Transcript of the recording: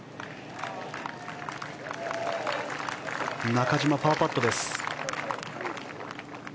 中島、パーパット。